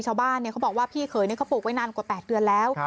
เขาบอกว่าพี่เขยเขาปลูกไว้นานกว่า๘เดือนแล้ว